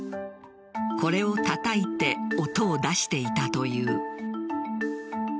これをたたいて音を出していたという。